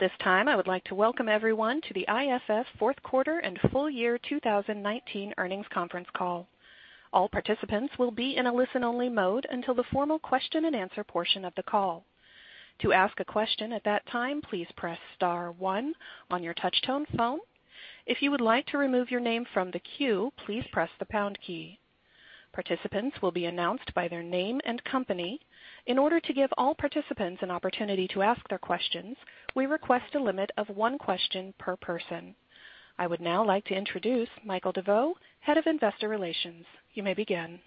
At this time, I would like to welcome everyone to the IFF Q4 and full year 2019 earnings conference call. All participants will be in a listen-only mode until the formal question and answer portion of the call. To ask a question at that time, please press star one on your touch-tone phone. If you would like to remove your name from the queue, please press the pound key. Participants will be announced by their name and company. In order to give all participants an opportunity to ask their questions, we request a limit of one question per person. I would now like to introduce Michael DeVeau, Head of Investor Relations. You may begin.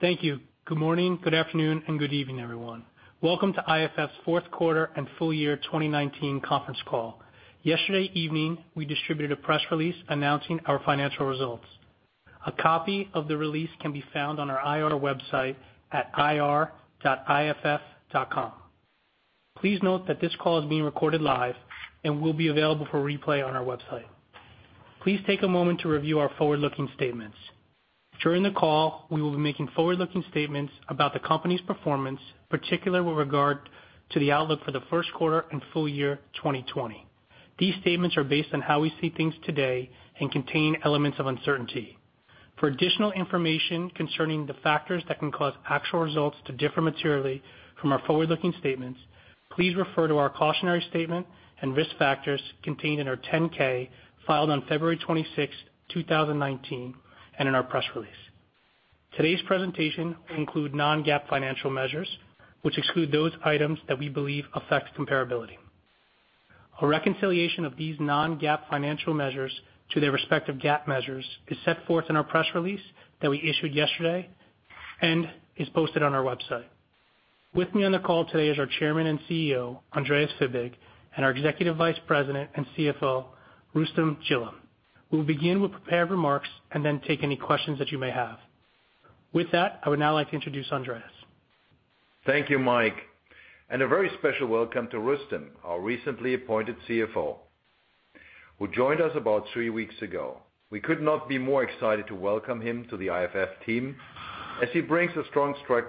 Thank you. Good morning, good afternoon, and good evening, everyone. Welcome to IFF's Q4 and full year 2019 conference call. Yesterday evening, we distributed a press release announcing our financial results. A copy of the release can be found on our IR website at ir.iff.com. Please note that this call is being recorded live and will be available for replay on our website. Please take a moment to review our forward-looking statements. During the call, we will be making forward-looking statements about the company's performance, particularly with regard to the outlook for the Q1 and full year 2020. These statements are based on how we see things today and contain elements of uncertainty. For additional information concerning the factors that can cause actual results to differ materially from our forward-looking statements, please refer to our cautionary statement and risk factors contained in our 10-K filed on February 26th, 2019, and in our press release. Today's presentation will include non-GAAP financial measures, which exclude those items that we believe affect comparability. A reconciliation of these non-GAAP financial measures to their respective GAAP measures is set forth in our press release that we issued yesterday and is posted on our website. With me on the call today is our Chairman and CEO, Andreas Fibig, and our Executive Vice President and CFO, Rustom Jilla. We'll begin with prepared remarks and then take any questions that you may have. With that, I would now like to introduce Andreas. Thank you, Mike, and a very special welcome to Rustom, our recently appointed CFO, who joined us about three weeks ago. We could not be more excited to welcome him to the IFF team, as he brings a strong track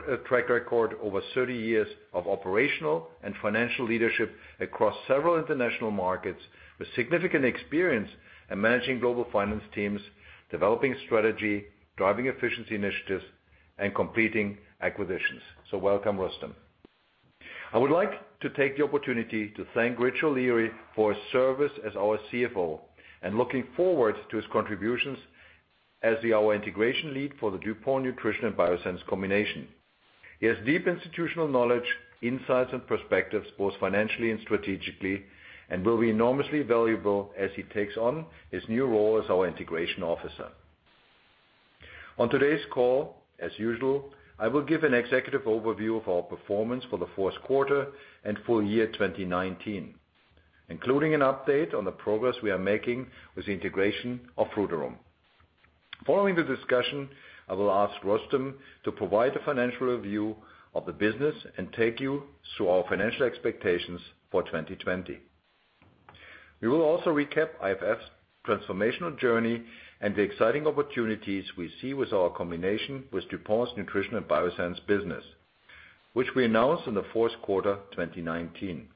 record over 30 years of operational and financial leadership across several international markets with significant experience in managing global finance teams, developing strategy, driving efficiency initiatives, and completing acquisitions. Welcome, Rustom. I would like to take the opportunity to thank Rich O'Leary for his service as our CFO and looking forward to his contributions as our integration lead for the DuPont Nutrition & Biosciences combination. He has deep institutional knowledge, insights, and perspectives, both financially and strategically, and will be enormously valuable as he takes on his new role as our integration officer. On today's call, as usual, I will give an executive overview of our performance for the Q4 and full year 2019, including an update on the progress we are making with the integration of Frutarom. Following the discussion, I will ask Rustom to provide a financial review of the business and take you through our financial expectations for 2020. We will also recap IFF's transformational journey and the exciting opportunities we see with our combination with DuPont's Nutrition & Biosciences business, which we announced in the Q4 2019.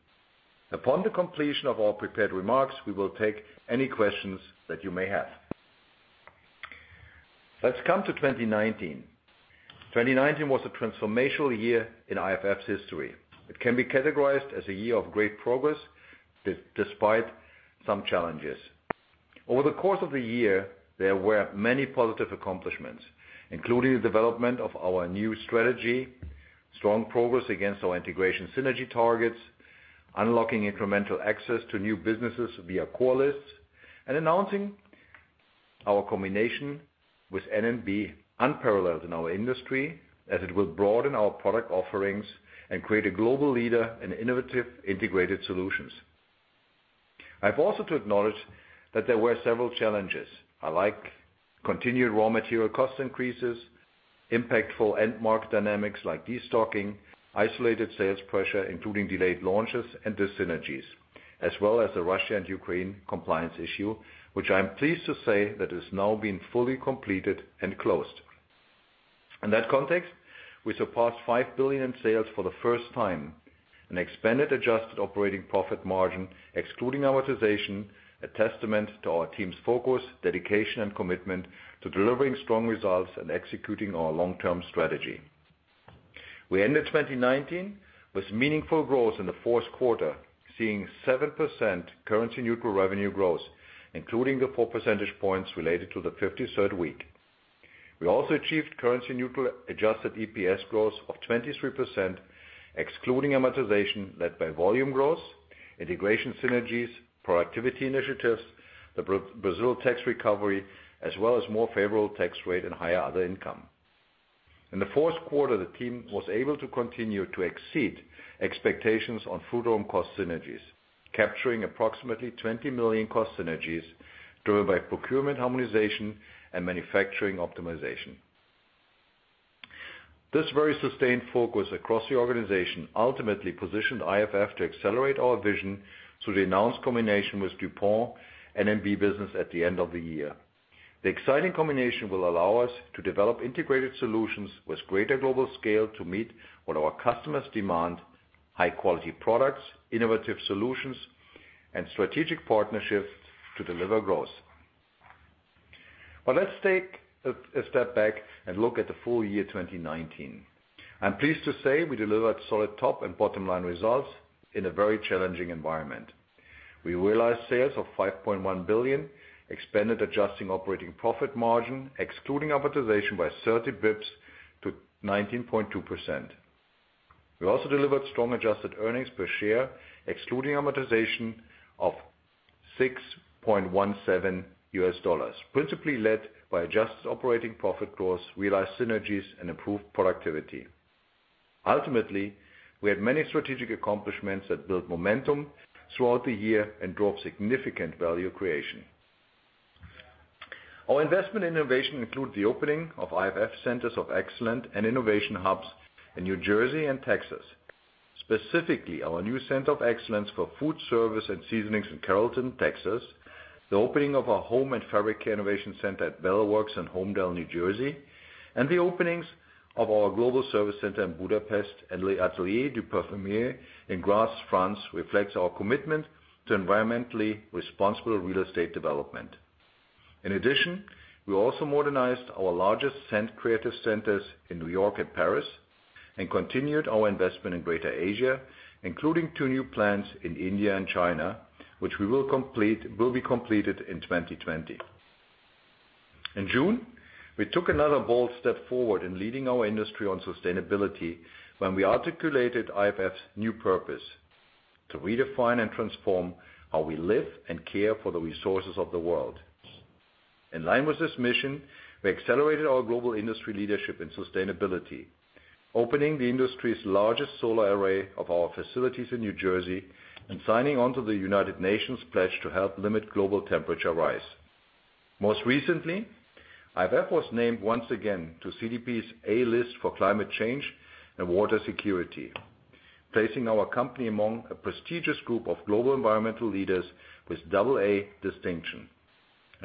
Upon the completion of our prepared remarks, we will take any questions that you may have. Let's come to 2019. 2019 was a transformational year in IFF's history. It can be categorized as a year of great progress despite some challenges. Over the course of the year, there were many positive accomplishments, including the development of our new strategy, strong progress against our integration synergy targets, unlocking incremental access to new businesses via core lists, and announcing our combination with N&B, unparalleled in our industry, as it will broaden our product offerings and create a global leader in innovative integrated solutions. I've also to acknowledge that there were several challenges, like continued raw material cost increases, impactful end market dynamics like de-stocking, isolated sales pressure, including delayed launches and dis-synergies, as well as the Russia and Ukraine compliance issue, which I'm pleased to say that has now been fully completed and closed. In that context, we surpassed $5 billion in sales for the first time and expanded adjusted operating profit margin, excluding amortization, a testament to our team's focus, dedication, and commitment to delivering strong results and executing our long-term strategy. We ended 2019 with meaningful growth in the Q4, seeing 7% currency-neutral revenue growth, including the four percentage points related to the 53rd week. We also achieved currency-neutral adjusted EPS growth of 23%, excluding amortization, led by volume growth, integration synergies, productivity initiatives, the Brazil tax recovery, as well as more favorable tax rate and higher other income. In the Q4, the team was able to continue to exceed expectations on Frutarom cost synergies, capturing approximately $20 million cost synergies driven by procurement harmonization and manufacturing optimization. This very sustained focus across the organization ultimately positioned IFF to accelerate our vision through the announced combination with DuPont N&B business at the end of the year. The exciting combination will allow us to develop integrated solutions with greater global scale to meet what our customers demand, high quality products, innovative solutions, and strategic partnerships to deliver growth. Let's take a step back and look at the full year 2019. I'm pleased to say we delivered solid top and bottom line results in a very challenging environment. We realized sales of $5.1 billion, expanded adjusted operating profit margin, excluding amortization by 30 basis points to 19.2%. We also delivered strong adjusted earnings per share, excluding amortization of $6.17, principally led by adjusted operating profit growth, realized synergies, and improved productivity. Ultimately, we had many strategic accomplishments that built momentum throughout the year and drove significant value creation. Our investment innovation include the opening of IFF Centers of Excellence and innovation hubs in New Jersey and Texas. Specifically, our new Center of Excellence for food service and seasonings in Carrollton, Texas, the opening of our home and fabric innovation center at Bell Works in Holmdel, New Jersey, and the openings of our global service center in Budapest and L'Atelier du Parfumeur in Grasse, France, reflects our commitment to environmentally responsible real estate development. We also modernized our largest creative centers in New York and Paris, and continued our investment in Greater Asia, including two new plants in India and China, which will be completed in 2020. We took another bold step forward in leading our industry on sustainability when we articulated IFF's new purpose, to redefine and transform how we live and care for the resources of the world. In line with this mission, we accelerated our global industry leadership in sustainability, opening the industry's largest solar array of our facilities in New Jersey, and signing on to the United Nations pledge to help limit global temperature rise. Most recently, IFF was named once again to CDP's A List for Climate Change and Water Security, placing our company among a prestigious group of global environmental leaders with double A distinction.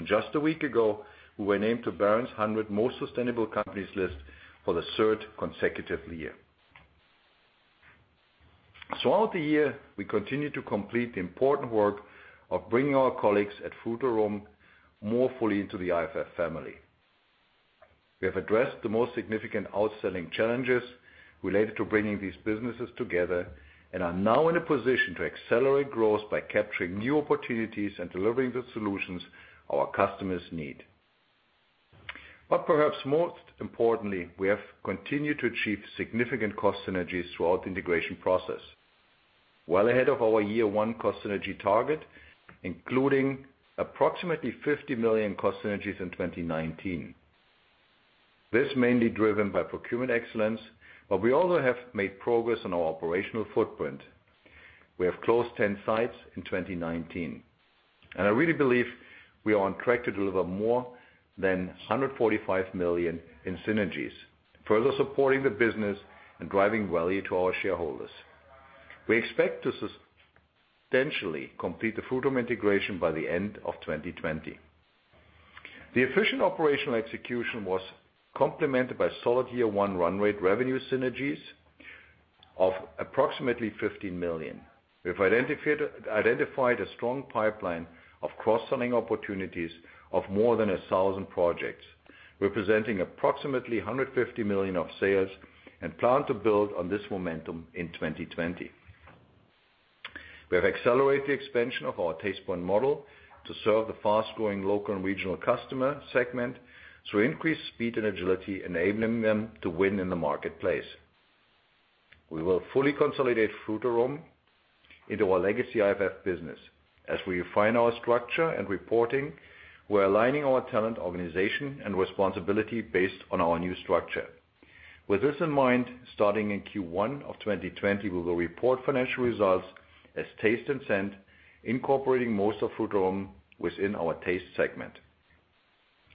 Just a week ago, we were named to Barron's 100 Most Sustainable Companies list for the third consecutive year. Throughout the year, we continued to complete the important work of bringing our colleagues at Frutarom more fully into the IFF family. We have addressed the most significant outstanding challenges related to bringing these businesses together, and are now in a position to accelerate growth by capturing new opportunities and delivering the solutions our customers need. Perhaps most importantly, we have continued to achieve significant cost synergies throughout the integration process. Well ahead of our year one cost synergy target, including approximately $50 million cost synergies in 2019. This mainly driven by procurement excellence, but we also have made progress on our operational footprint. We have closed 10 sites in 2019, and I really believe we are on track to deliver more than $145 million in synergies, further supporting the business and driving value to our shareholders. We expect to substantially complete the Frutarom integration by the end of 2020. The efficient operational execution was complemented by solid year one run rate revenue synergies of approximately $15 million. We've identified a strong pipeline of cross-selling opportunities of more than 1,000 projects, representing approximately $150 million of sales, and plan to build on this momentum in 2020. We have accelerated the expansion of our Tastepoint model to serve the fast-growing local and regional customer segment through increased speed and agility, enabling them to win in the marketplace. We will fully consolidate Frutarom into our legacy IFF business. As we refine our structure and reporting, we're aligning our talent, organization, and responsibility based on our new structure. With this in mind, starting in Q1 of 2020, we will report financial results as Taste and Scent, incorporating most of Frutarom within our Taste segment.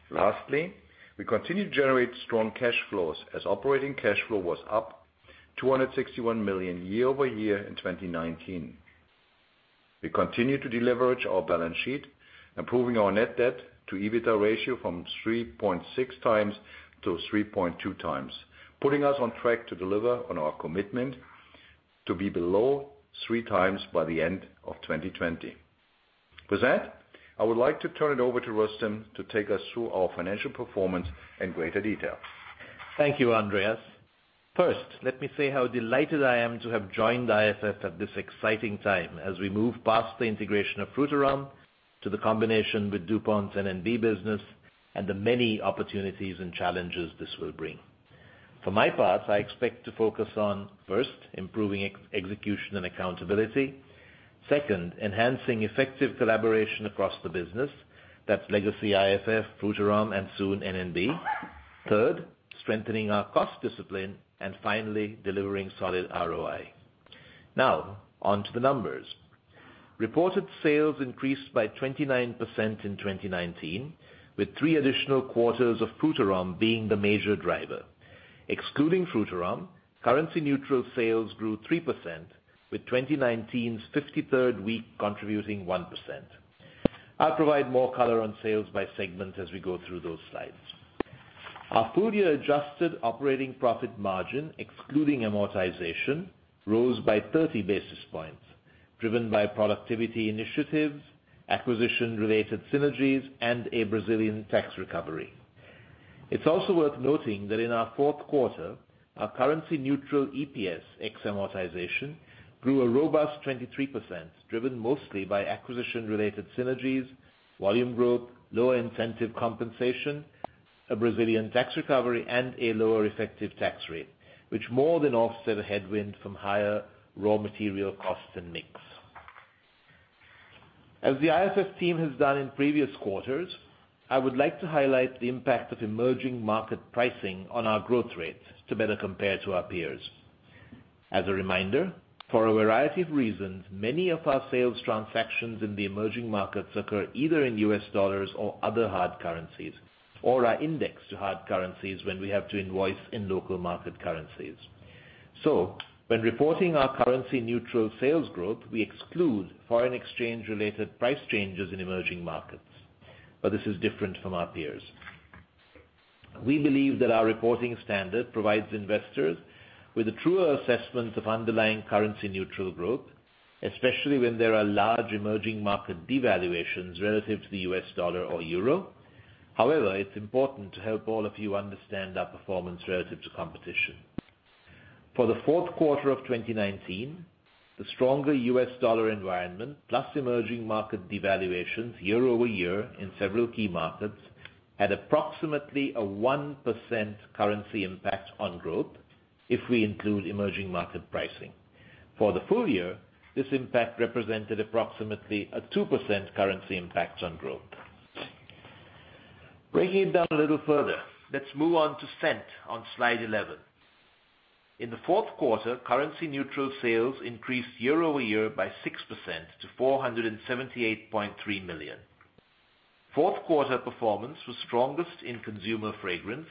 Lastly, we continue to generate strong cash flows as operating cash flow was up $261 million year-over-year in 2019. We continue to deleverage our balance sheet, improving our net debt to EBITDA ratio from 3.6x to 3.2x, putting us on track to deliver on our commitment to be below 3x by the end of 2020. With that, I would like to turn it over to Rustom to take us through our financial performance in greater detail. Thank you, Andreas. First, let me say how delighted I am to have joined IFF at this exciting time as we move past the integration of Frutarom, to the combination with DuPont's N&B business, and the many opportunities and challenges this will bring. For my part, I expect to focus on, first, improving execution and accountability. Second, enhancing effective collaboration across the business. That's legacy IFF, Frutarom, and soon N&B. Third, strengthening our cost discipline. Finally, delivering solid ROI. Now, on to the numbers. Reported sales increased by 29% in 2019, with three additional quarters of Frutarom being the major driver. Excluding Frutarom, currency neutral sales grew 3%, with 2019's 53rd week contributing 1%. I'll provide more color on sales by segment as we go through those slides. Our full-year adjusted operating profit margin, excluding amortization, rose by 30 basis points, driven by productivity initiatives, acquisition-related synergies, and a Brazilian tax recovery. Also worth noting that in our Q4, our currency neutral EPS ex-amortization grew a robust 23%, driven mostly by acquisition-related synergies, volume growth, lower incentive compensation, a Brazilian tax recovery, and a lower effective tax rate, which more than offset a headwind from higher raw material costs and mix. As the IFF team has done in previous quarters, I would like to highlight the impact of emerging market pricing on our growth rates to better compare to our peers. As a reminder, for a variety of reasons, many of our sales transactions in the emerging markets occur either in U.S. dollars or other hard currencies, or are indexed to hard currencies when we have to invoice in local market currencies. When reporting our currency neutral sales growth, we exclude foreign exchange related price changes in emerging markets. This is different from our peers. We believe that our reporting standard provides investors with a truer assessment of underlying currency neutral growth, especially when there are large emerging market devaluations relative to the U.S. dollar or EUR. However, it's important to help all of you understand our performance relative to competition. For the Q4 of 2019, the stronger U.S. dollar environment, plus emerging market devaluations year-over-year in several key markets, had approximately a 1% currency impact on growth if we include emerging market pricing. For the full year, this impact represented approximately a 2% currency impact on growth. Breaking it down a little further, let's move on to scent on slide 11. In the Q4, currency neutral sales increased year-over-year by 6% to $478.3 million. Q4 performance was strongest in consumer fragrance,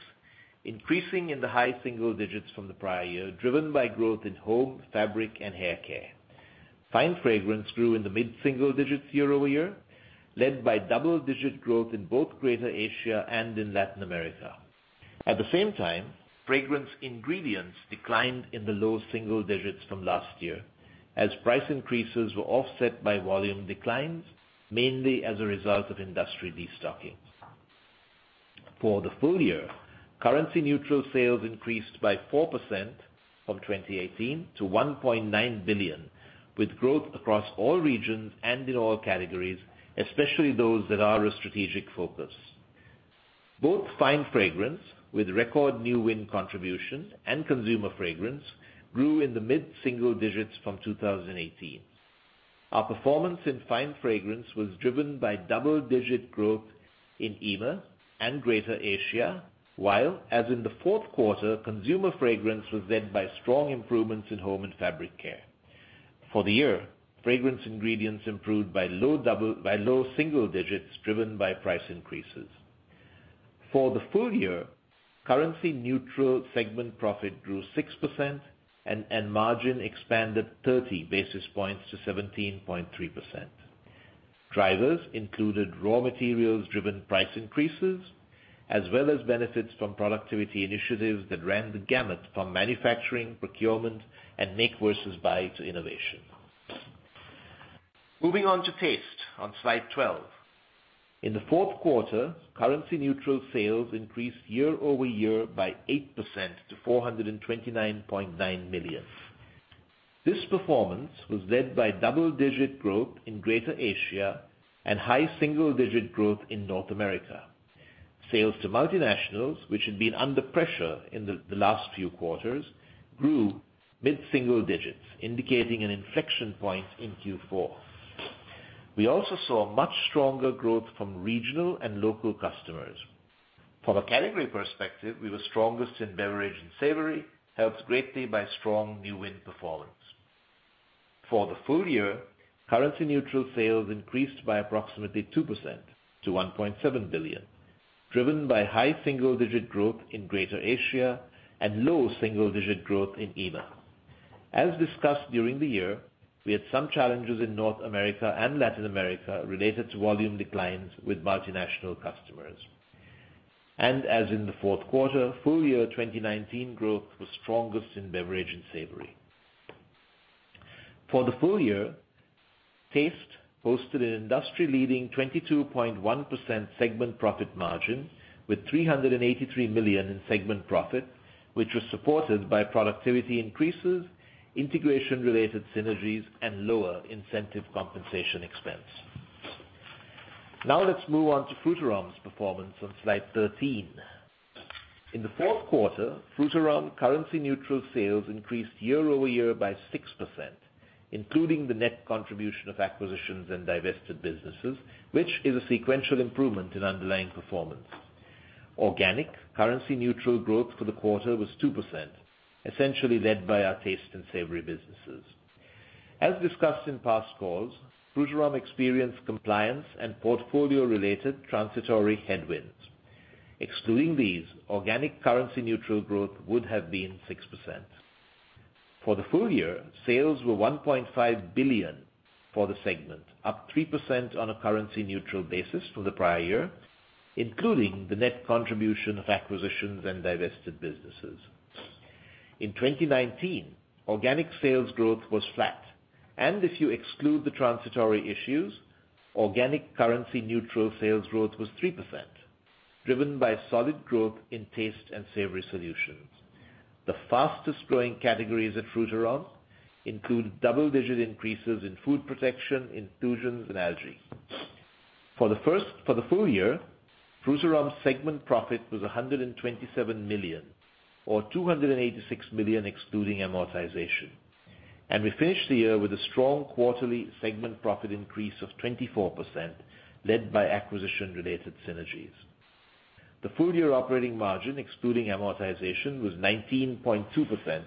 increasing in the high single digits from the prior year, driven by growth in home, fabric, and hair care. Fine fragrance grew in the mid-single digits year-over-year, led by double-digit growth in both Greater Asia and in Latin America. At the same time, fragrance ingredients declined in the low single digits from last year, as price increases were offset by volume declines, mainly as a result of industry destocking. For the full year, currency neutral sales increased by 4% from 2018 to $1.9 billion, with growth across all regions and in all categories, especially those that are a strategic focus. Both fine fragrance, with record new win contribution, and consumer fragrance grew in the mid-single digits from 2018. Our performance in fine fragrance was driven by double-digit growth in EMEA and Greater Asia, while, as in the Q4, consumer fragrance was led by strong improvements in home and fabric care. For the year, fragrance ingredients improved by low single digits, driven by price increases. For the full year, currency neutral segment profit grew 6% and margin expanded 30 basis points to 17.3%. Drivers included raw materials-driven price increases, as well as benefits from productivity initiatives that ran the gamut from manufacturing, procurement, and make versus buy to innovation. Moving on to taste on slide 12. In the Q4, currency neutral sales increased year-over-year by 8% to $429.9 million. This performance was led by double-digit growth in Greater Asia and high single-digit growth in North America. Sales to multinationals, which had been under pressure in the last few quarters, grew mid-single digits, indicating an inflection point in Q4. We also saw much stronger growth from regional and local customers. From a category perspective, we were strongest in beverage and savory, helped greatly by strong new win performance. For the full year, currency neutral sales increased by approximately 2% to $1.7 billion, driven by high single-digit growth in Greater Asia and low single-digit growth in EMEA. As discussed during the year, we had some challenges in North America and Latin America related to volume declines with multinational customers. As in the Q4, full year 2019 growth was strongest in beverage and savory. For the full year, Taste posted an industry-leading 22.1% segment profit margin with $383 million in segment profit, which was supported by productivity increases, integration-related synergies, and lower incentive compensation expense. Let's move on to Frutarom's performance on slide 13. In the Q4, Frutarom currency neutral sales increased year-over-year by 6%, including the net contribution of acquisitions and divested businesses, which is a sequential improvement in underlying performance. Organic currency neutral growth for the quarter was 2%, essentially led by our taste and savory businesses. As discussed in past calls, Frutarom experienced compliance and portfolio-related transitory headwinds. Excluding these, organic currency neutral growth would have been 6%. For the full year, sales were $1.5 billion for the segment, up 3% on a currency neutral basis from the prior year, including the net contribution of acquisitions and divested businesses. In 2019, organic sales growth was flat, if you exclude the transitory issues, organic currency neutral sales growth was 3%, driven by solid growth in taste and savory solutions. The fastest growing categories at Frutarom include double-digit increases in food protection, inclusions, and algae. For the full year, Frutarom's segment profit was $127 million, or $286 million excluding amortization, and we finished the year with a strong quarterly segment profit increase of 24%, led by acquisition-related synergies. The full-year operating margin, excluding amortization, was 19.2%,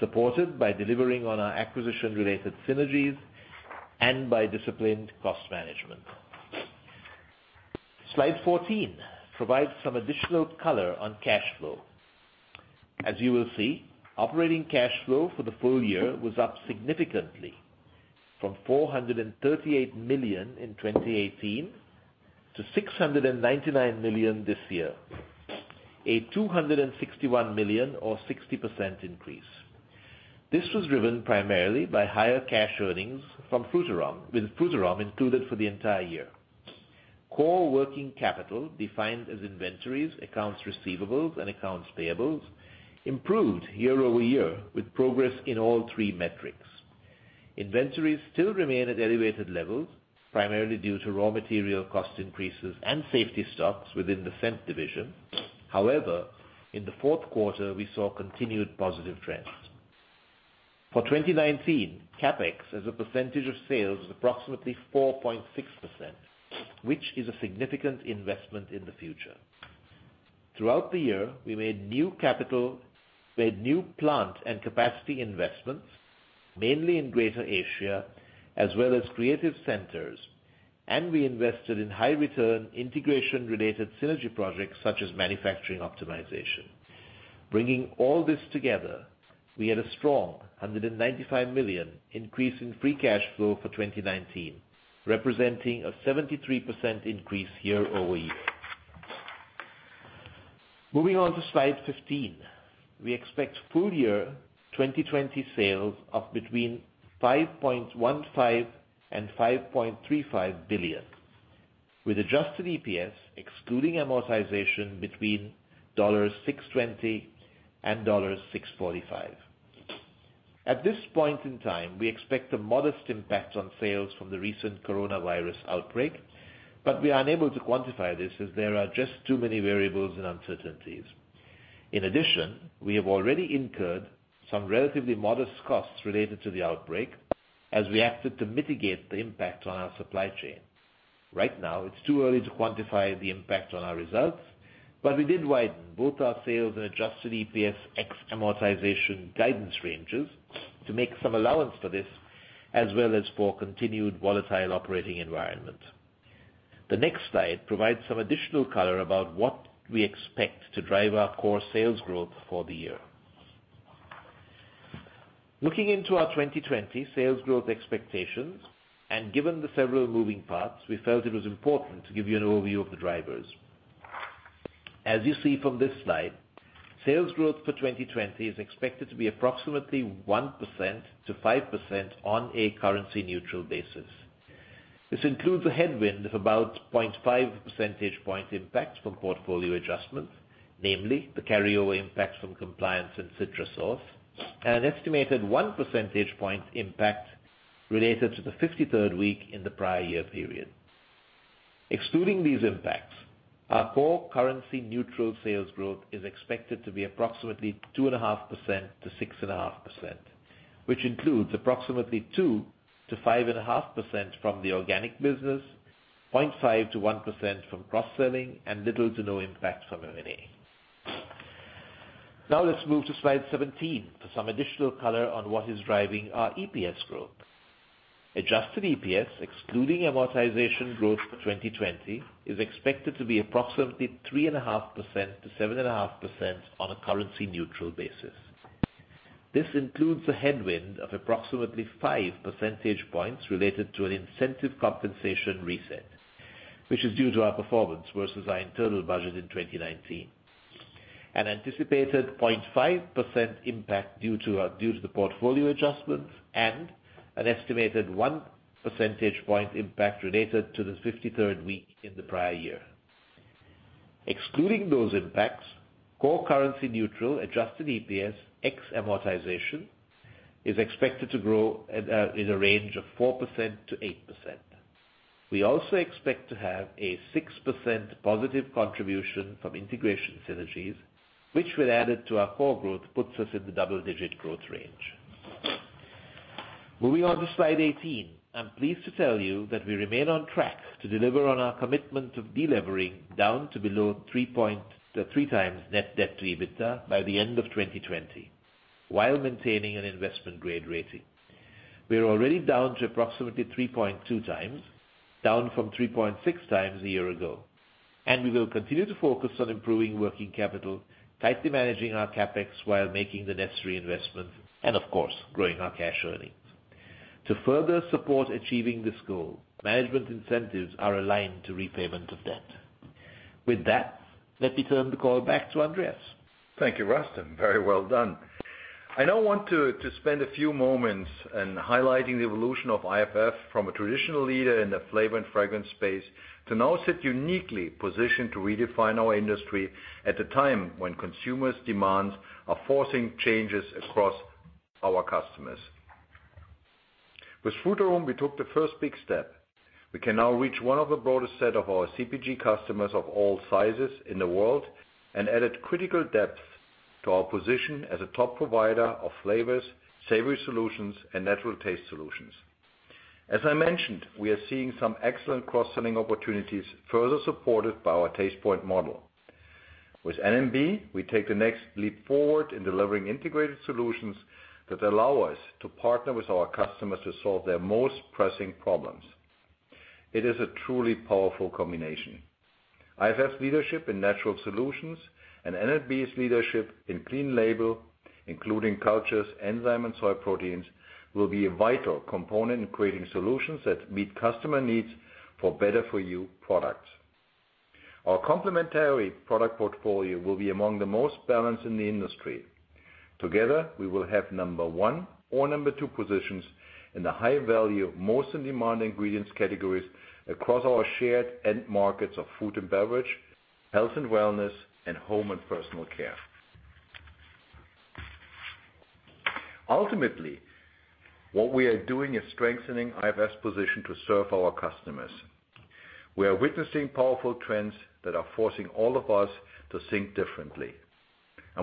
supported by delivering on our acquisition-related synergies and by disciplined cost management. Slide 14 provides some additional color on cash flow. As you will see, operating cash flow for the full year was up significantly from $438 million in 2018 to $699 million this year, a $261 million or 60% increase. This was driven primarily by higher cash earnings from Frutarom, with Frutarom included for the entire year. Core working capital defined as inventories, accounts receivables, and accounts payables improved year-over-year with progress in all three metrics. Inventories still remain at elevated levels, primarily due to raw material cost increases and safety stocks within the scent division. In the Q4, we saw continued positive trends. For 2019, CapEx as a percentage of sales was approximately 4.6%, which is a significant investment in the future. Throughout the year, we made new plant and capacity investments, mainly in Greater Asia, as well as creative centers, and we invested in high return integration-related synergy projects such as manufacturing optimization. Bringing all this together, we had a strong $195 million increase in free cash flow for 2019, representing a 73% increase year-over-year. Moving on to slide 15. We expect full year 2020 sales of between $5.15 billion and $5.35 billion, with adjusted EPS excluding amortization between $6.20 and $6.45. At this point in time, we expect a modest impact on sales from the recent coronavirus outbreak, but we are unable to quantify this as there are just too many variables and uncertainties. In addition, we have already incurred some relatively modest costs related to the outbreak as we acted to mitigate the impact on our supply chain. Right now, it's too early to quantify the impact on our results, but we did widen both our sales and adjusted EPS ex amortization guidance ranges to make some allowance for this, as well as for continued volatile operating environment. The next slide provides some additional color about what we expect to drive our core sales growth for the year. Looking into our 2020 sales growth expectations, and given the several moving parts, we felt it was important to give you an overview of the drivers. As you see from this slide, sales growth for 2020 is expected to be approximately 1%-5% on a currency neutral basis. This includes a headwind of about 0.5 percentage point impact from portfolio adjustments, namely the carryover impact from compliance and CitrusSource, an estimated 1 percentage point impact related to the 53rd week in the prior year period. Excluding these impacts, our core currency neutral sales growth is expected to be approximately 2.5%-6.5%, which includes approximately 2%-5.5% from the organic business, 0.5%-1% from cross-selling, and little to no impact from M&A. Now let's move to slide 17 for some additional color on what is driving our EPS growth. Adjusted EPS, excluding amortization growth for 2020, is expected to be approximately 3.5%-7.5% on a currency neutral basis. This includes a headwind of approximately 5 percentage points related to an incentive compensation reset, which is due to our performance versus our internal budget in 2019, an anticipated 0.5% impact due to the portfolio adjustments, and an estimated 1 percentage point impact related to the 53rd week in the prior year. Excluding those impacts, core currency neutral adjusted EPS ex amortization is expected to grow in a range of 4%-8%. We also expect to have a 6% positive contribution from integration synergies, which when added to our core growth, puts us in the double-digit growth range. Moving on to slide 18. I'm pleased to tell you that we remain on track to deliver on our commitment of delevering down to below 3x net debt to EBITDA by the end of 2020 while maintaining an investment-grade rating. We're already down to approximately 3.2x, down from 3.6x a year ago. We will continue to focus on improving working capital, tightly managing our CapEx while making the necessary investments, and of course, growing our cash earnings. To further support achieving this goal, management incentives are aligned to repayment of debt. With that, let me turn the call back to Andreas. Thank you, Rustom. Very well done. I now want to spend a few moments in highlighting the evolution of IFF from a traditional leader in the flavor and fragrance space, to now sit uniquely positioned to redefine our industry at the time when consumers' demands are forcing changes across our customers. With Frutarom, we took the first big step. We can now reach one of the broadest set of our CPG customers of all sizes in the world, and added critical depth to our position as a top provider of flavors, savory solutions, and natural taste solutions. As I mentioned, we are seeing some excellent cross-selling opportunities, further supported by our Tastepoint model. With N&B, we take the next leap forward in delivering integrated solutions that allow us to partner with our customers to solve their most pressing problems. It is a truly powerful combination. IFF's leadership in natural solutions and N&B's leadership in clean label, including cultures, enzyme, and soy proteins, will be a vital component in creating solutions that meet customer needs for better-for-you products. Our complementary product portfolio will be among the most balanced in the industry. Together, we will have number 1 or number 2 positions in the high-value, most in-demand ingredients categories across our shared end markets of food and beverage, health and wellness, and home and personal care. Ultimately, what we are doing is strengthening IFF's position to serve our customers. We are witnessing powerful trends that are forcing all of us to think differently.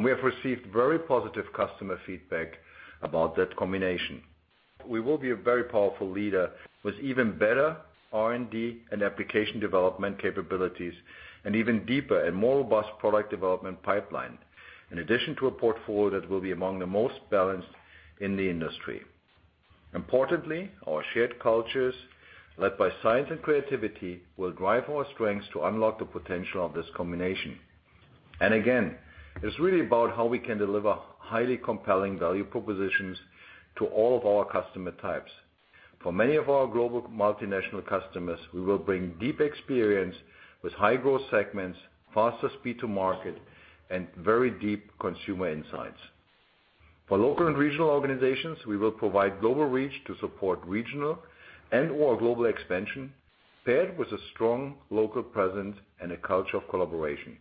We have received very positive customer feedback about that combination. We will be a very powerful leader with even better R&D and application development capabilities, and even deeper and more robust product development pipeline. In addition to a portfolio that will be among the most balanced in the industry. Importantly, our shared cultures, led by science and creativity, will drive our strengths to unlock the potential of this combination. Again, it's really about how we can deliver highly compelling value propositions to all of our customer types. For many of our global multinational customers, we will bring deep experience with high growth segments, faster speed to market, and very deep consumer insights. For local and regional organizations, we will provide global reach to support regional and/or global expansion, paired with a strong local presence and a culture of collaboration.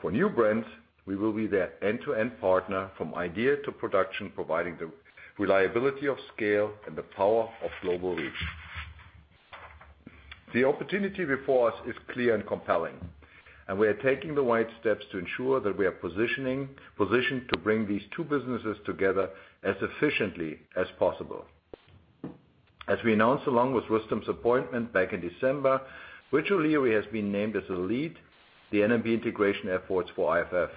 For new brands, we will be their end-to-end partner from idea to production, providing the reliability of scale and the power of global reach. The opportunity before us is clear and compelling, and we are taking the right steps to ensure that we are positioned to bring these two businesses together as efficiently as possible. As we announced along with Rustom's appointment back in December, Richard O'Leary has been named as the lead the N&B integration efforts for IFF.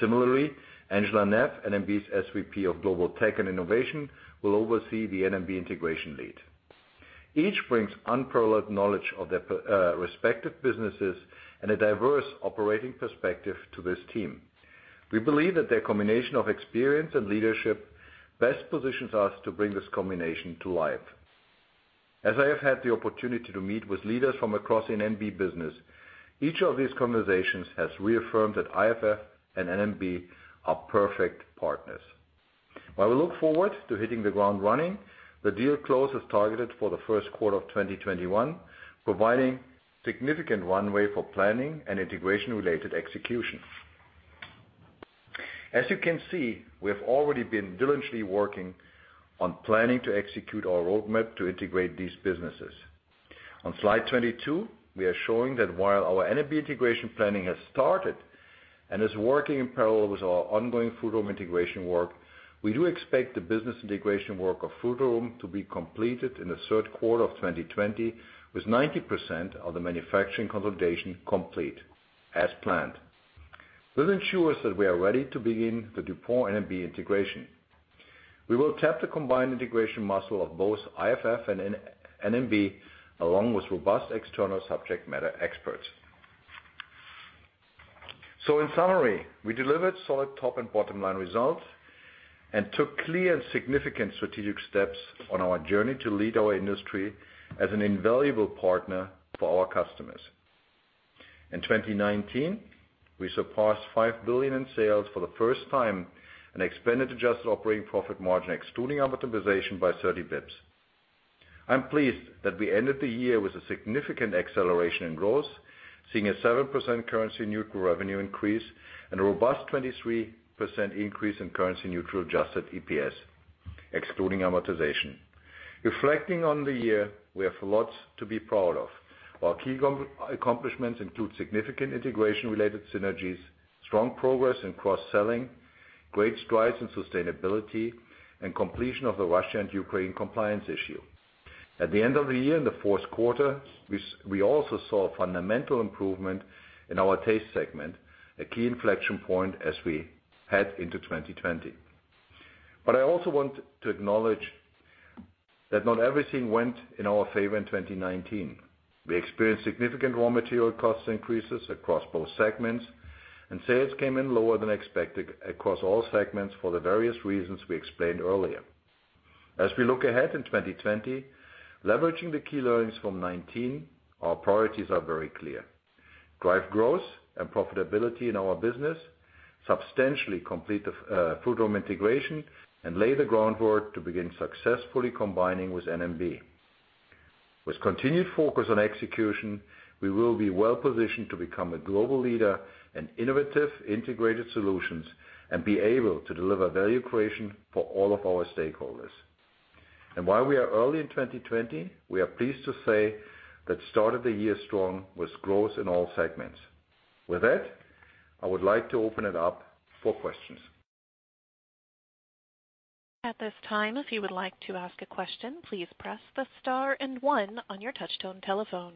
Similarly, Angela Naef, N&B's SVP of Global Tech and Innovation, will oversee the N&B integration lead. Each brings unparalleled knowledge of their respective businesses and a diverse operating perspective to this team. We believe that their combination of experience and leadership best positions us to bring this combination to life. As I have had the opportunity to meet with leaders from across the N&B business, each of these conversations has reaffirmed that IFF and N&B are perfect partners. While we look forward to hitting the ground running, the deal close is targeted for the Q1 of 2021, providing significant runway for planning and integration-related execution. As you can see, we have already been diligently working on planning to execute our roadmap to integrate these businesses. On slide 22, we are showing that while our N&B integration planning has started and is working in parallel with our ongoing Frutarom integration work, we do expect the business integration work of Frutarom to be completed in the Q3 of 2020, with 90% of the manufacturing consolidation complete as planned. This ensures that we are ready to begin the DuPont N&B integration. We will tap the combined integration muscle of both IFF and N&B, along with robust external subject matter experts. In summary, we delivered solid top and bottom line results and took clear and significant strategic steps on our journey to lead our industry as an invaluable partner for our customers. In 2019, we surpassed $5 billion in sales for the first time, and expanded adjusted operating profit margin, excluding amortization by 30 basis points. I'm pleased that we ended the year with a significant acceleration in growth, seeing a 7% currency neutral revenue increase and a robust 23% increase in currency neutral adjusted EPS, excluding amortization. Reflecting on the year, we have lots to be proud of. Our key accomplishments include significant integration related synergies, strong progress in cross-selling, great strides in sustainability, and completion of the Russia and Ukraine compliance issue. At the end of the year in the Q4, we also saw fundamental improvement in our taste segment, a key inflection point as we head into 2020. I also want to acknowledge that not everything went in our favor in 2019. We experienced significant raw material cost increases across both segments, and sales came in lower than expected across all segments for the various reasons we explained earlier. As we look ahead in 2020, leveraging the key learnings from 2019, our priorities are very clear. Drive growth and profitability in our business, substantially complete the Frutarom integration, and lay the groundwork to begin successfully combining with N&B. With continued focus on execution, we will be well-positioned to become a global leader in innovative, integrated solutions and be able to deliver value creation for all of our stakeholders. While we are early in 2020, we are pleased to say that start of the year strong was growth in all segments. With that, I would like to open it up for questions. At this time, if you would like to ask a question, please press the star and one on your touch-tone telephone.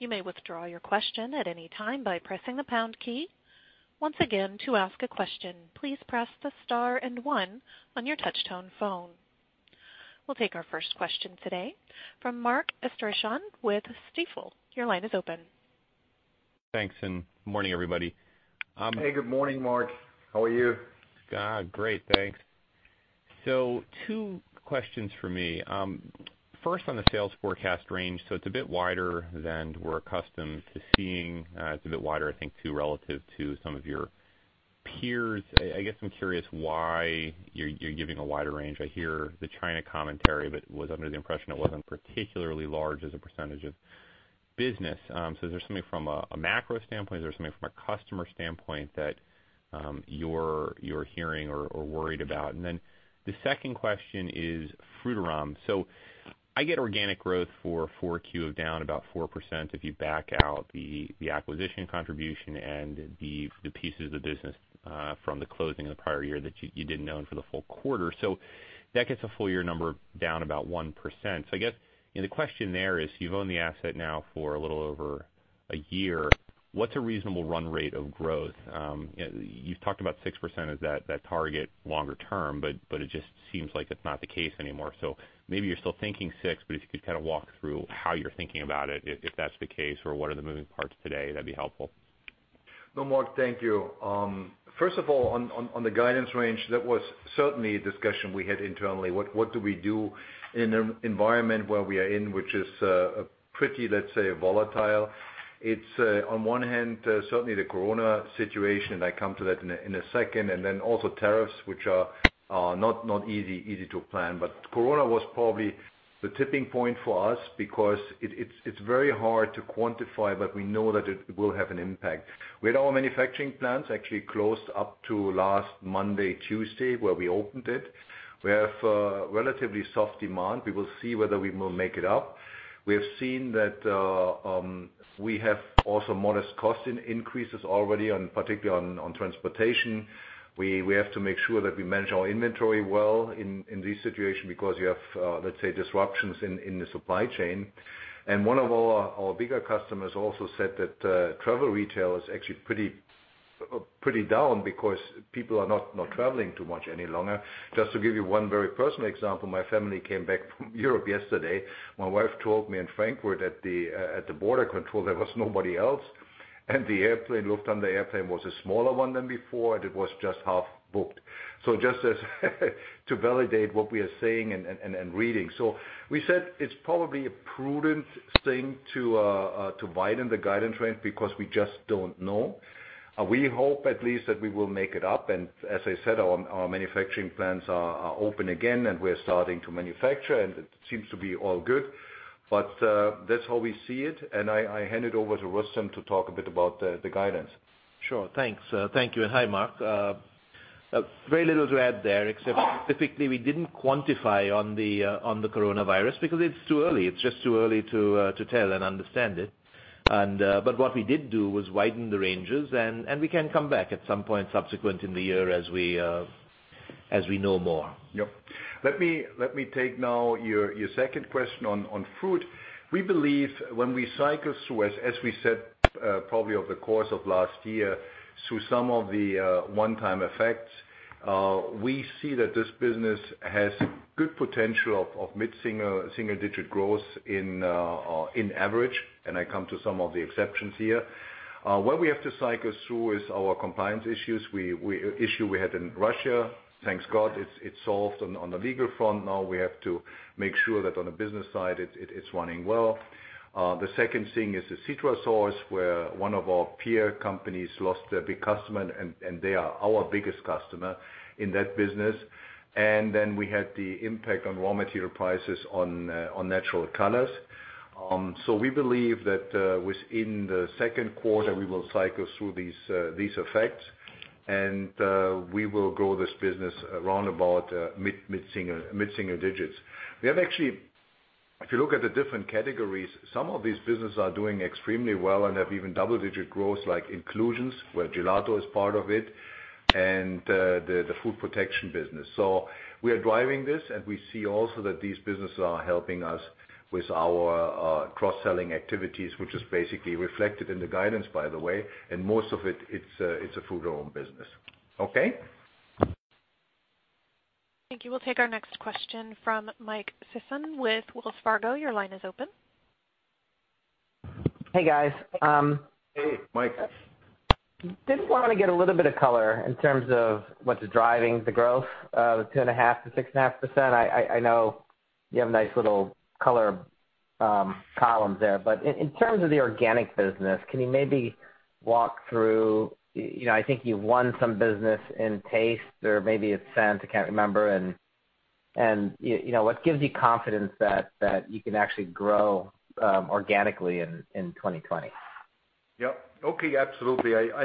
You may withdraw your question at any time by pressing the pound key. Once again, to ask a question, please press the star and one on your touch-tone phone. We'll take our first question today from Mark Astrachan with Stifel. Your line is open. Thanks. Morning, everybody. Hey, good morning, Mark. How are you? God, great. Thanks. Two questions from me. First, on the sales forecast range, so it's a bit wider than we're accustomed to seeing. It's a bit wider, I think, too, relative to some of your peers. I guess I'm curious why you're giving a wider range. I hear the China commentary, but was under the impression it wasn't particularly large as a percentage of business. Is there something from a macro standpoint, is there something from a customer standpoint that you're hearing or worried about? The second question is Frutarom. I get organic growth for Q4 of down about 4% if you back out the acquisition contribution and the pieces of the business from the closing of the prior year that you didn't own for the full quarter. That gets a full-year number down about 1%. I guess the question there is, you've owned the asset now for a little over a year. What's a reasonable run rate of growth? You've talked about 6% as that target longer term, but it just seems like that's not the case anymore. Maybe you're still thinking six, but if you could kind of walk through how you're thinking about it, if that's the case, or what are the moving parts today, that'd be helpful. No, Mark, thank you. First of all, on the guidance range, that was certainly a discussion we had internally. What do we do in an environment where we are in, which is pretty, let's say, volatile? It's on one hand, certainly the coronavirus situation, and I come to that in a second, and then also tariffs, which are not easy to plan. Coronavirus was probably the tipping point for us because it's very hard to quantify, but we know that it will have an impact. We had all manufacturing plants actually closed up to last Monday, Tuesday, where we opened it. We have relatively soft demand. We will see whether we will make it up. We have seen that we have also modest cost increases already, particularly on transportation. We have to make sure that we manage our inventory well in this situation because you have, let's say, disruptions in the supply chain. One of our bigger customers also said that travel retail is actually pretty down because people are not traveling too much any longer. Just to give you one very personal example, my family came back from Europe yesterday. My wife told me in Frankfurt at the border control, there was nobody else. The airplane was a smaller one than before, and it was just half booked. Just as to validate what we are saying and reading. We said it's probably a prudent thing to widen the guidance range because we just don't know. We hope at least that we will make it up. As I said, our manufacturing plants are open again, and we're starting to manufacture, and it seems to be all good. That's how we see it, and I hand it over to Rustom to talk a bit about the guidance. Sure. Thanks. Thank you, hi, Mark. Very little to add there except specifically we didn't quantify on the coronavirus because it's too early. It's just too early to tell and understand it. What we did do was widen the ranges, we can come back at some point subsequent in the year as we know more. Yep. Let me take now your second question on Frutarom. We believe when we cycle through, as we said, probably over the course of last year, through some of the one-time effects we see that this business has good potential of mid-single digit growth in average, and I come to some of the exceptions here. Where we have to cycle through is our compliance issues, issue we had in Russia. Thank God it's solved on the legal front. Now we have to make sure that on the business side it's running well. The second thing is the Citrus where one of our peer companies lost their big customer and they are our biggest customer in that business. Then we had the impact on raw material prices on natural colors. We believe that within the Q2 we will cycle through these effects, and we will grow this business around about mid-single digits. If you look at the different categories, some of these businesses are doing extremely well and have even double-digit growth like inclusions, where gelato is part of it, and the food protection business. We are driving this, and we see also that these businesses are helping us with our cross-selling activities, which is basically reflected in the guidance, by the way. Most of it's a Frutarom business. Okay? Thank you. We'll take our next question from Mike Sison with Wells Fargo. Your line is open. Hey, guys. Hey, Mike. Just wanted to get a little bit of color in terms of what's driving the growth of 2.5%-6.5%. I know you have nice little color columns there. In terms of the organic business, can you maybe walk through, I think you've won some business in taste or maybe it's scent, I can't remember. What gives you confidence that you can actually grow organically in 2020? Yep, okay. Absolutely. I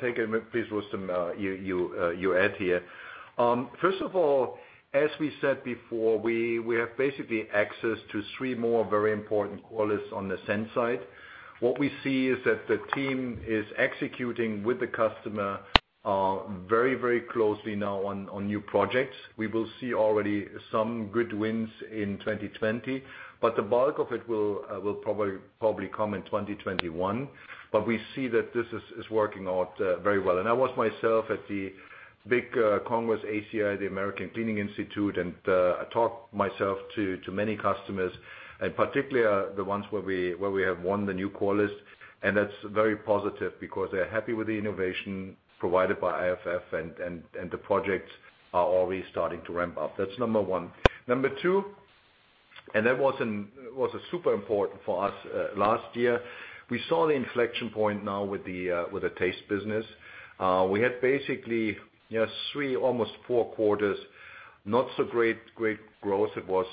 take it with Rustom, you add here. First of all, as we said before, we have basically access to three more very important callers on the scent side. What we see is that the team is executing with the customer very closely now on new projects. We will see already some good wins in 2020. The bulk of it will probably come in 2021. We see that this is working out very well. I watched myself at the big Congress ACI, the American Cleaning Institute, and I talked myself to many customers and particularly the ones where we have won the new callers. That's very positive because they're happy with the innovation provided by IFF and the projects are already starting to ramp up. That's number one. Number two, and that was super important for us last year. We saw the inflection point now with the Taste business. We had basically three, almost four quarters, not so great growth. It was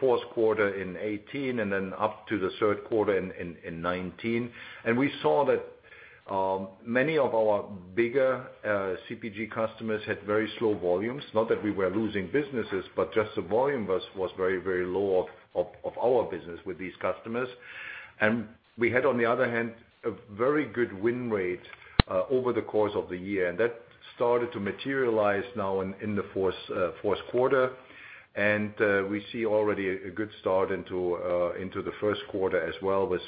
Q4 in 2018, then up to the Q3 in 2019. We saw that many of our bigger CPG customers had very slow volumes. Not that we were losing businesses, just the volume was very low of our business with these customers. We had, on the other hand, a very good win rate over the course of the year. That started to materialize now in the Q4. We see already a good start into the Q1 as well with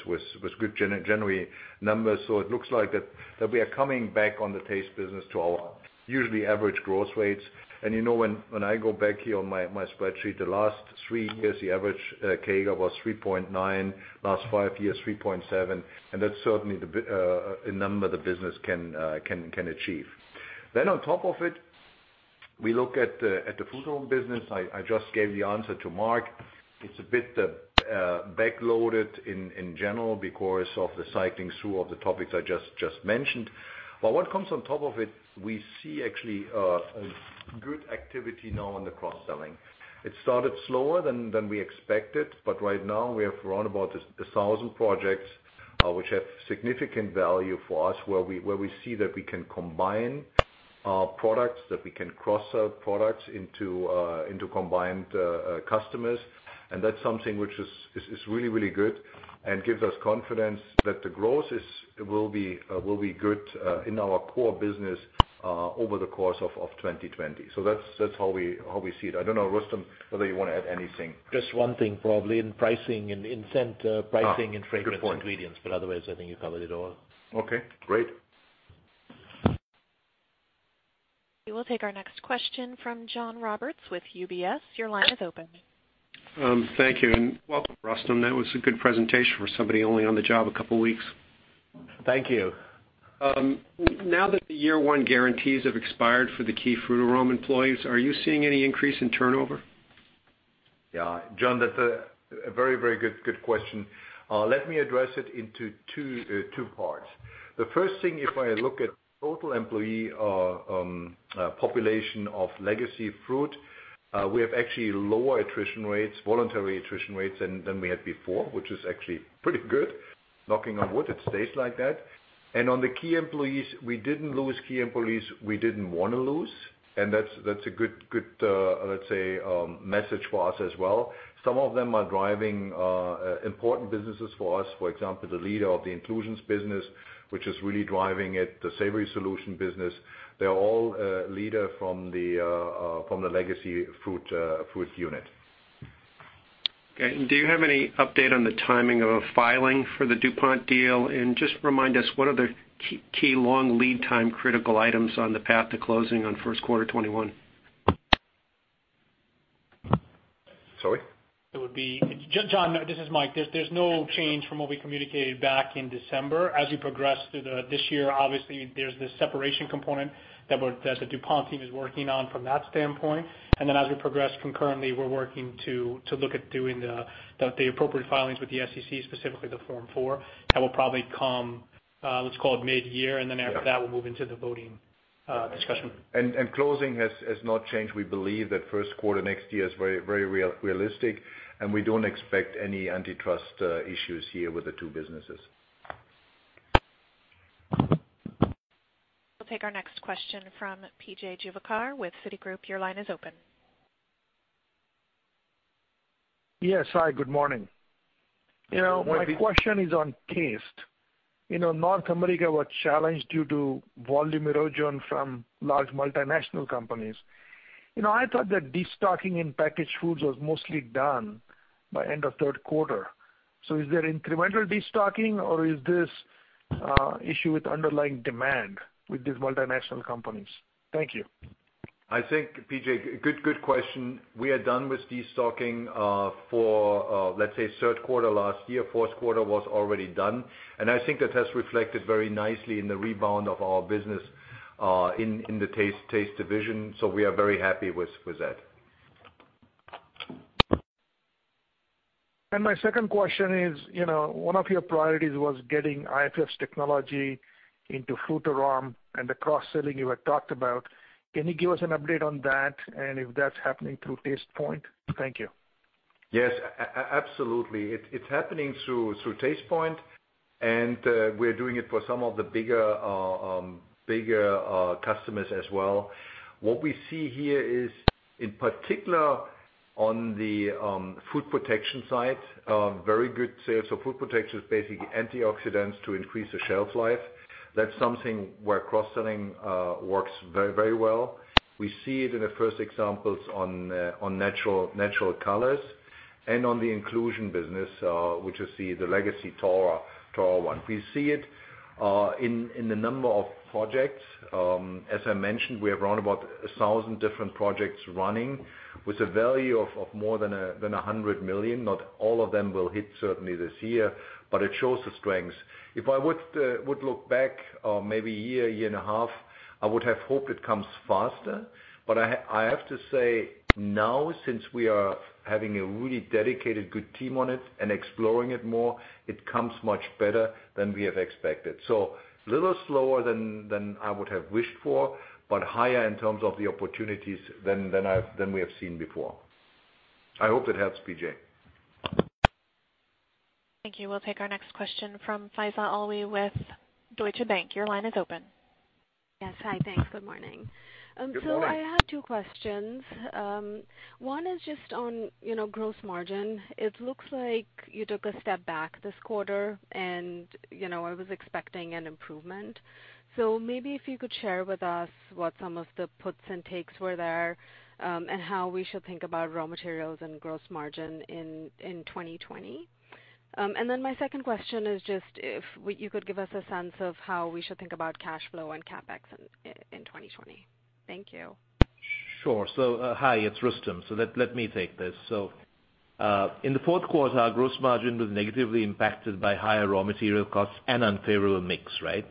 good January numbers. It looks like that we are coming back on the Taste business to our usually average growth rates. When I go back here on my spreadsheet, the last three years, the average CAGR was 3.9, last five years, 3.7. That's certainly the number the business can achieve. On top of it, we look at the Food Home business. I just gave the answer to Mark. It's a bit backloaded in general because of the cycling through of the topics I just mentioned. What comes on top of it, we see actually a good activity now on the cross-selling. It started slower than we expected, but right now we have around about 1,000 projects which have significant value for us, where we see that we can combine products, that we can cross-sell products into combined customers. That's something which is really good and gives us confidence that the growth will be good in our core business over the course of 2020. That's how we see it. I don't know, Rustom, whether you want to add anything. Just one thing, probably in pricing, in scent pricing. Good point. Fragrance ingredients, but otherwise, I think you covered it all. Okay, great. We will take our next question from John Roberts with UBS. Your line is open. Thank you. Welcome, Rustom. That was a good presentation for somebody only on the job a couple of weeks. Thank you. Now that the year one guarantees have expired for the key Frutarom employees, are you seeing any increase in turnover? Yeah. John, that's a very good question. Let me address it into two parts. The first thing, if I look at total employee population of legacy Frutarom, we have actually lower attrition rates, voluntary attrition rates than we had before, which is actually pretty good. Knocking on wood, it stays like that. On the key employees, we didn't lose key employees we didn't want to lose. That's a good, let's say, message for us as well. Some of them are driving important businesses for us. For example, the leader of the inclusions business, which is really driving it, the savory solution business. They're all leader from the legacy Frutarom unit. Okay. Do you have any update on the timing of a filing for the DuPont deal? Just remind us, what are the key long lead time critical items on the path to closing on Q1 2021? Sorry? John, this is Mike. There's no change from what we communicated back in December. As we progress through this year, obviously, there's this separation component that the DuPont team is working on from that standpoint. As we progress concurrently, we're working to look at doing the appropriate filings with the SEC, specifically the Form S-4. That will probably come, let's call it mid-year, and then after that, we'll move into the voting discussion. Closing has not changed. We believe that Q1 next year is very realistic, and we don't expect any antitrust issues here with the two businesses. We'll take our next question from P.J. Juvekar with Citigroup. Your line is open. Yes. Hi, good morning. Good morning. My question is on taste. North America was challenged due to volume erosion from large multinational companies. I thought that destocking in packaged foods was mostly done by end of Q3. Is there incremental destocking or is this issue with underlying demand with these multinational companies? Thank you. I think, P.J., good question. We are done with destocking for, let's say, Q3 last year. Q1 was already done. I think that has reflected very nicely in the rebound of our business in the Taste division. We are very happy with that. My second question is, one of your priorities was getting IFF's technology into Frutarom and the cross-selling you had talked about. Can you give us an update on that and if that's happening through Tastepoint? Thank you. Yes. Absolutely. It's happening through Tastepoint, and we're doing it for some of the bigger customers as well. What we see here is, in particular on the food protection side, very good sales. Food protection is basically antioxidants to increase the shelf life. That's something where cross-selling works very well. We see it in the first examples on natural colors and on the inclusion business, which is the legacy Taura one. We see it in the number of projects. As I mentioned, we have around about 1,000 different projects running with a value of more than $100 million. Not all of them will hit certainly this year, but it shows the strengths. If I would look back maybe a year and a half, I would have hoped it comes faster. I have to say now, since we are having a really dedicated good team on it and exploring it more, it comes much better than we have expected. A little slower than I would have wished for, but higher in terms of the opportunities than we have seen before. I hope it helps, P.J. Thank you. We'll take our next question from Faiza Alwy with Deutsche Bank. Your line is open. Yes. Hi, thanks. Good morning. Good morning. I have two questions. One is just on gross margin. It looks like you took a step back this quarter, and I was expecting an improvement. Maybe if you could share with us what some of the puts and takes were there, and how we should think about raw materials and gross margin in 2020. My second question is just if you could give us a sense of how we should think about cash flow and CapEx in 2020. Thank you. Hi, it's Rustom. Let me take this. In the Q4, our gross margin was negatively impacted by higher raw material costs and unfavorable mix, right?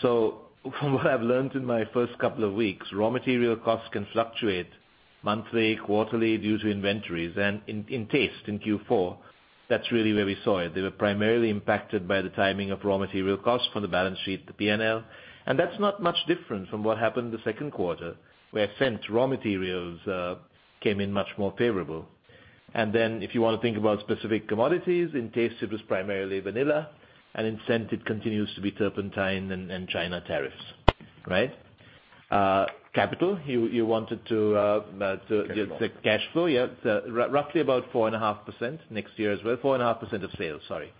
From what I've learned in my first couple of weeks, raw material costs can fluctuate monthly, quarterly due to inventories. In Taste in Q4, that's really where we saw it. They were primarily impacted by the timing of raw material costs from the balance sheet, the P&L. That's not much different from what happened the Q2, where Scent raw materials came in much more favorable. If you want to think about specific commodities, in Taste, it was primarily vanilla, and in Scent, it continues to be turpentine and China tariffs, right? CapEx, you wanted to- Cash flow. Cash flow, yeah. Roughly about 4.5% next year as well, 4.5% of sales. Sorry,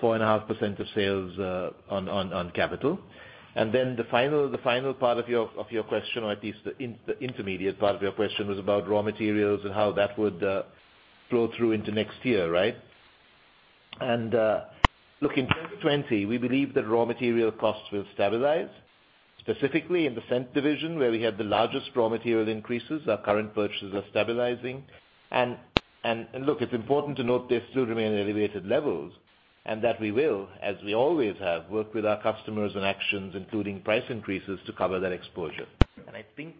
4.5% of sales on CapEx. Then the final part of your question, or at least the intermediate part of your question, was about raw materials and how that would flow through into next year, right? Look, in 2020, we believe that raw material costs will stabilize, specifically in the scent division, where we had the largest raw material increases. Our current purchases are stabilizing. Look, it's important to note they still remain at elevated levels, and that we will, as we always have, work with our customers on actions, including price increases to cover that exposure. I think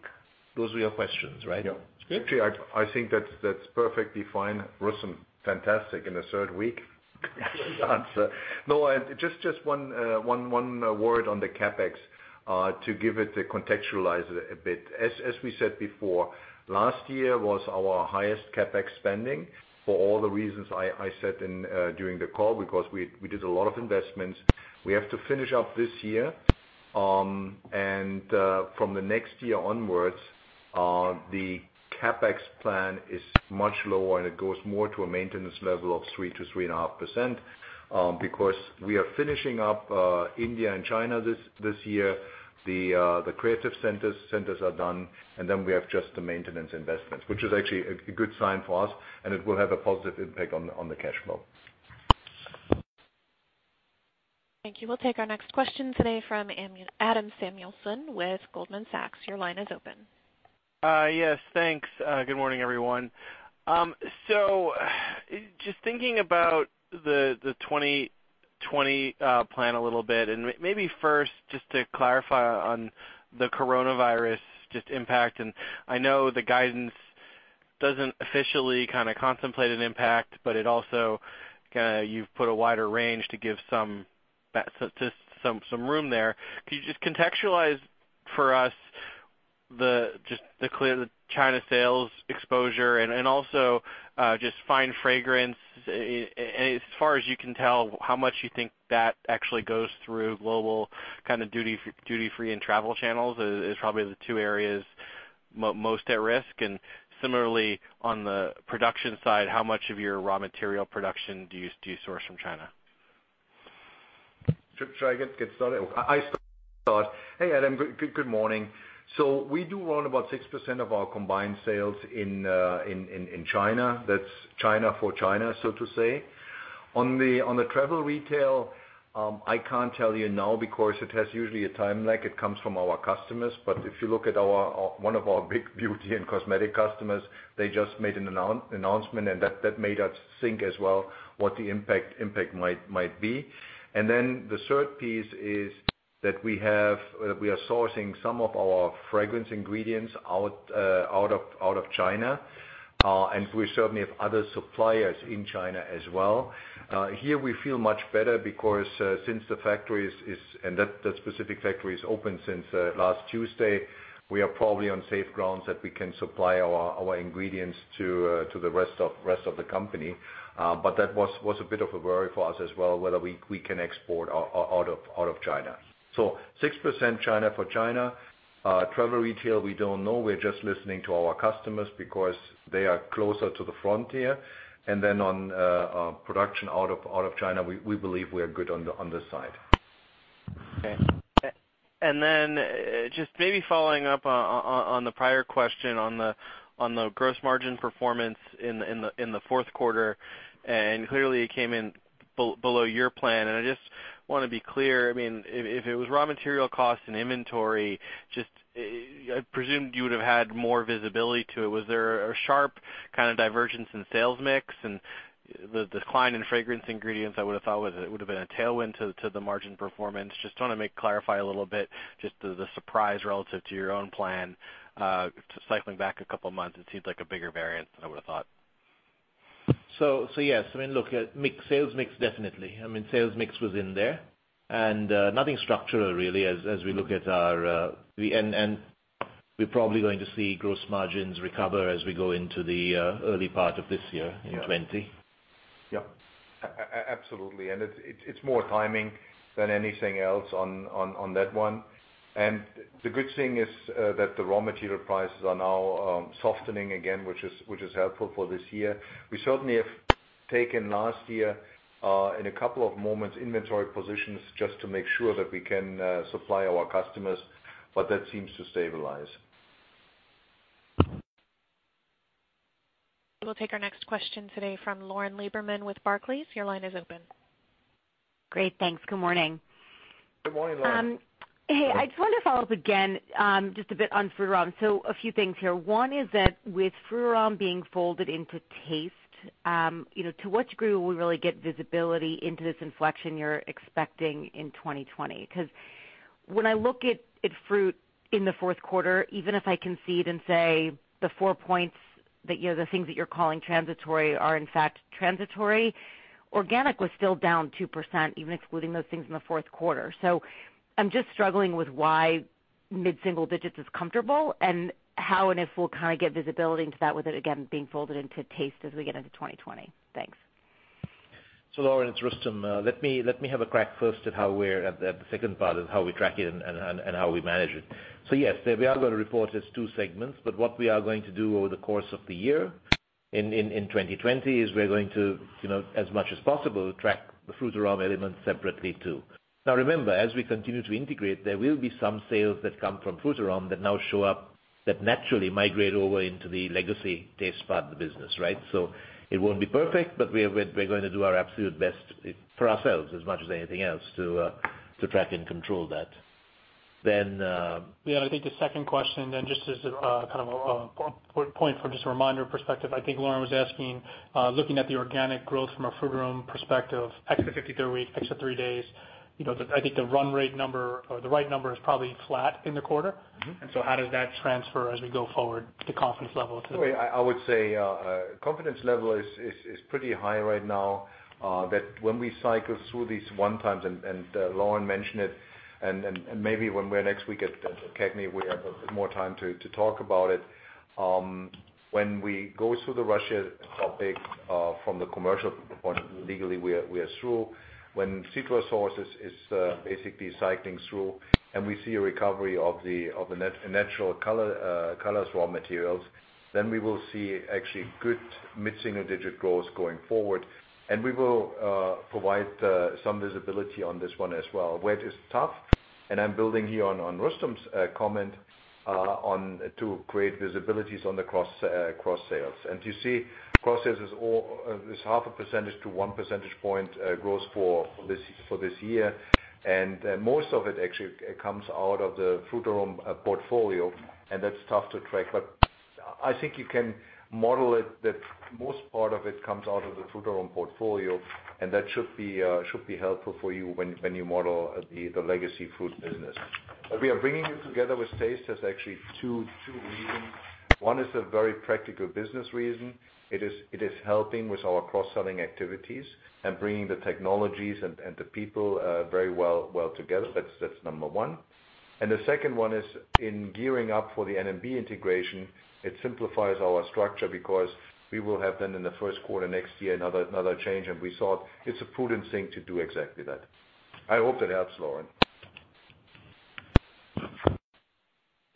those were your questions, right? Yeah. Actually, I think that's perfectly fine, Rustom. Fantastic in the third week. Good answer. No, just one word on the CapEx to give it the contextualize a bit. As we said before, last year was our highest CapEx spending for all the reasons I said during the call, because we did a lot of investments. We have to finish up this year. From the next year onwards, the CapEx plan is much lower, and it goes more to a maintenance level of 3%-3.5%, because we are finishing up India and China this year. The creative centers are done, and then we have just the maintenance investments, which is actually a good sign for us, and it will have a positive impact on the cash flow. Thank you. We'll take our next question today from Adam Samuelson with Goldman Sachs. Your line is open. Yes. Thanks. Good morning, everyone. Just thinking about the 2020 plan a little bit, and maybe first, just to clarify on the coronavirus impact. I know the guidance doesn't officially contemplate an impact, but it also you've put a wider range to give some room there. Could you just contextualize for us the China sales exposure and also just fine fragrance, as far as you can tell, how much you think that actually goes through global duty-free and travel channels is probably the two areas most at risk. Similarly, on the production side, how much of your raw material production do you source from China? Should I get started? I start. Hey, Adam. Good morning. We do around about 6% of our combined sales in China. That's China for China, so to say. On the travel retail, I can't tell you now because it has usually a time lag. It comes from our customers. If you look at one of our big beauty and cosmetic customers, they just made an announcement, and that made us think as well what the impact might be. The third piece is that we are sourcing some of our fragrance ingredients out of China, and we certainly have other suppliers in China as well. Here we feel much better because since the specific factory is open since last Tuesday, we are probably on safe grounds that we can supply our ingredients to the rest of the company. That was a bit of a worry for us as well, whether we can export out of China. 6% China for China. Travel retail, we don't know. We're just listening to our customers because they are closer to the frontier. On production out of China, we believe we are good on this side. Okay. Then just maybe following up on the prior question on the gross margin performance in the Q4, and clearly it came in below your plan, and I just want to be clear. If it was raw material costs and inventory, just I presumed you would have had more visibility to it. Was there a sharp kind of divergence in sales mix and the decline in fragrance ingredients? I would have thought it would have been a tailwind to the margin performance. Just want to clarify a little bit just the surprise relative to your own plan, to cycling back a couple of months, it seemed like a bigger variance than I would have thought. Yes, look, sales mix, definitely. Sales mix was in there. Nothing structural, really, as we look at our, and we're probably going to see gross margins recover as we go into the early part of this year in 2020. Yep. Absolutely. It's more timing than anything else on that one. The good thing is that the raw material prices are now softening again, which is helpful for this year. We certainly have taken last year, in a couple of moments, inventory positions just to make sure that we can supply our customers, but that seems to stabilize. We'll take our next question today from Lauren Lieberman with Barclays. Your line is open. Great. Thanks. Good morning. Good morning, Lauren. Hey, I just wanted to follow up again, just a bit on Frutarom. A few things here. One is that with Frutarom being folded into Taste, to what degree will we really get visibility into this inflection you're expecting in 2020? When I look at Frutarom in the Q4, even if I concede and say the 4 points that the things that you're calling transitory are in fact transitory, organic was still down 2%, even excluding those things in the Q4. I'm just struggling with why mid-single digits is comfortable and how and if we'll get visibility into that with it, again, being folded into Taste as we get into 2020. Thanks. Lauren, it's Rustom. Let me have a crack first at the second part of how we track it and how we manage it. Yes, we are going to report as two segments, but what we are going to do over the course of the year in 2020 is we're going to, as much as possible, track the Frutarom elements separately too. Remember, as we continue to integrate, there will be some sales that come from Frutarom that now show up that naturally migrate over into the legacy Taste part of the business, right? It won't be perfect, but we're going to do our absolute best for ourselves as much as anything else to track and control that. Yeah, I think the second question, just as a point for just a reminder perspective, I think Lauren was asking, looking at the organic growth from a Frutarom perspective, ex the 53 week, ex the three days, I think the run rate number or the right number is probably flat in the quarter. How does that transfer as we go forward, the confidence level to. I would say confidence level is pretty high right now. That when we cycle through these one times, and Lauren mentioned it, and maybe when we're next week at CAGNY, we have a bit more time to talk about it. When we go through the Russia topic, from the commercial point, legally, we are through. When CitrusSource is basically cycling through and we see a recovery of the natural color raw materials, then we will see actually good mid-single digit growth going forward. We will provide some visibility on this one as well. Where it is tough, and I'm building here on Rustom's comment, to create visibilities on the cross sales. You see cross sales is 0.5% to one percentage point growth for this year. Most of it actually comes out of the Frutarom portfolio, and that's tough to track. I think you can model it that most part of it comes out of the Frutarom portfolio, and that should be helpful for you when you model the legacy fruit business. We are bringing them together with Taste. There's actually two reasons. One is a very practical business reason. It is helping with our cross-selling activities and bringing the technologies and the people very well together. That's number one. The second one is in gearing up for the N&B integration, it simplifies our structure because we will have then in the Q1 next year, another change, and we thought it's a prudent thing to do exactly that. I hope that helps, Lauren.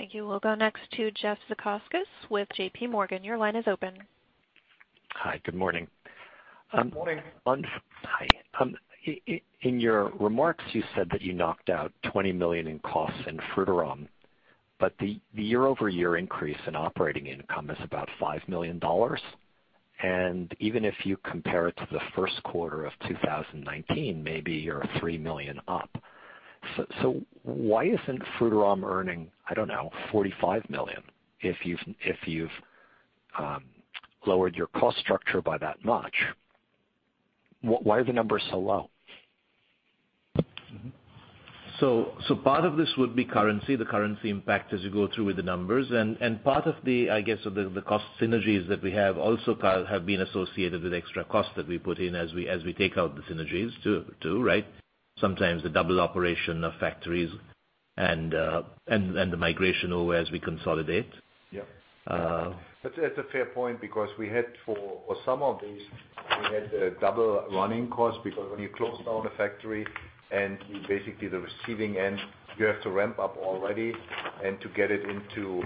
Thank you. We'll go next to Jeff Zekauskas with J.P. Morgan. Your line is open. Hi, good morning. Good morning. Hi. In your remarks, you said that you knocked out $20 million in costs in Frutarom. The year-over-year increase in operating income is about $5 million. Even if you compare it to the Q1 of 2019, maybe you're $3 million up. Why isn't Frutarom earning, I don't know, $45 million if you've lowered your cost structure by that much? Why are the numbers so low? Part of this would be currency, the currency impact as you go through with the numbers. Part of the, I guess, of the cost synergies that we have also, Carl, have been associated with extra cost that we put in as we take out the synergies too, right? Sometimes the double operation of factories and the migration over as we consolidate. Yeah. That's a fair point because we had for some of these, we had a double running cost because when you close down a factory and basically the receiving end, you have to ramp up already and to get it into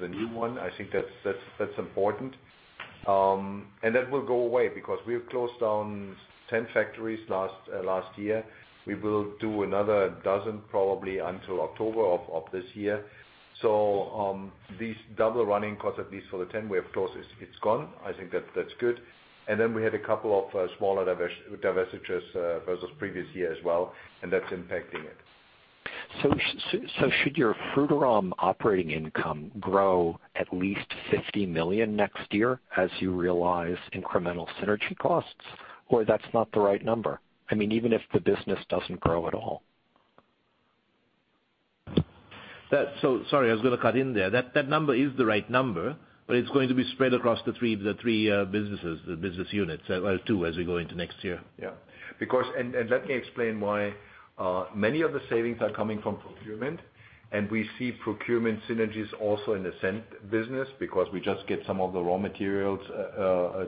the new one, I think that's important. That will go away because we have closed down 10 factories last year. We will do another 12 probably until October of this year. These double running costs, at least for the 10 we have closed, it's gone. I think that's good. We had a couple of smaller divestitures versus previous year as well, and that's impacting it. Should your Frutarom operating income grow at least $50 million next year as you realize incremental synergy costs? Or that's not the right number? I mean, even if the business doesn't grow at all. Sorry, I was going to cut in there. That number is the right number, but it's going to be spread across the three businesses, the business units, well, two as we go into next year. Yeah. Let me explain why. Many of the savings are coming from procurement, and we see procurement synergies also in the scent business because we just get some of the raw materials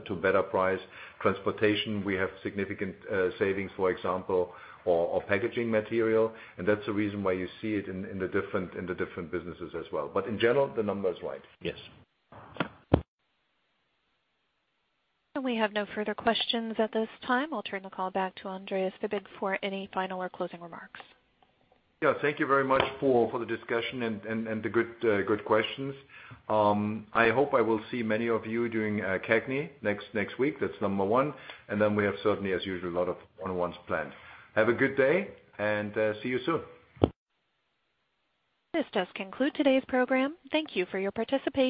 to better price. Transportation, we have significant savings, for example, or packaging material, and that's the reason why you see it in the different businesses as well. In general, the number is right. Yes. We have no further questions at this time. I'll turn the call back to Andreas Fibig for any final or closing remarks. Yeah. Thank you very much for the discussion and the good questions. I hope I will see many of you during CAGNY next week. That's number one. We have certainly, as usual, a lot of one-on-ones planned. Have a good day, and see you soon. This does conclude today's program. Thank you for your participation